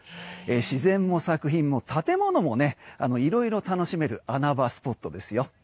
自然も作品も建物もいろいろ楽しめる穴場スポットですよ。